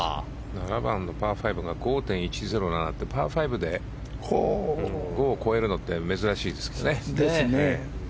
７番のパー５が５．１０７ってパー５で５を超えるのって珍しいですよね。